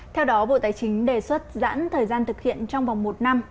theo đó bộ tài chính đề xuất giãn thời gian thực hiện trong vòng một năm